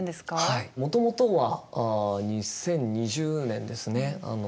はいもともとは２０２０年ですね